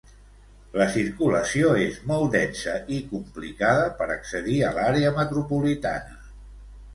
La circulació és molt densa i complicada per accedir a l'àrea metropolitana.